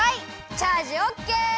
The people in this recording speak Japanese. チャージオッケー！